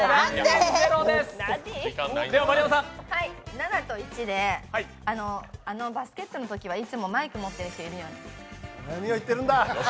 ７と１で、バスケットのときはいつもマイク持ってる人いるよね。